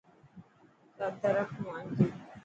چادر رک مانجي.